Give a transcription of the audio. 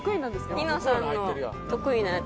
ニノさんの得意なやつ。